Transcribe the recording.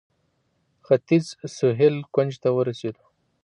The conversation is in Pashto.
ختیځ سهیل کونج ته ورسېدو.